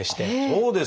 そうですか！